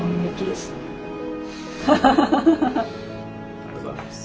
ありがとうございます。